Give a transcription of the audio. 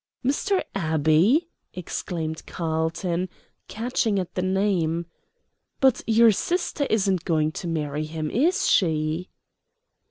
"Mr. Abbey!" exclaimed Carlton, catching at the name. "But your sister isn't going to marry him, is she?"